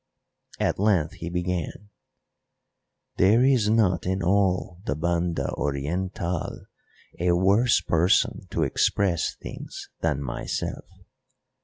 At length he began: "There is not in all the Banda Orientál a worse person to express things than myself."